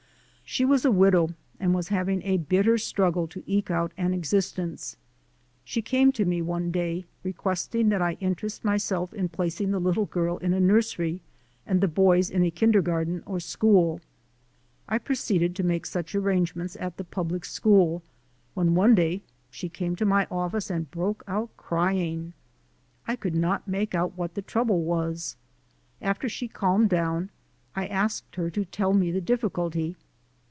She was a widow and was having a bitter struggle to eke out an existence. She came to me one day requesting that I interest myself in placing the little girl in a nursery, and the boys in a kindergarten or school. I proceeded to make such arrangements at the public school, when one day she came to my office and broke out crying. I could not make out what the trouble was. After she calmed down, I asked her to tell me the difficulty.